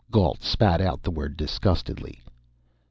Gault spat out the word disgustedly.